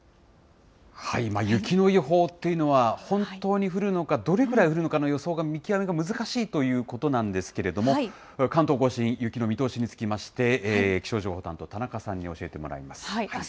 雪の予報っていうのは、本当に降るのか、どれぐらい降るのかの予想が見極めが難しいということなんですけれども、関東甲信、雪の見通しにつきまして、気象情報担当、田中さんに教えてもらいます。